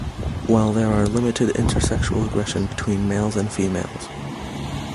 While there are limited intersexual aggression between males and females.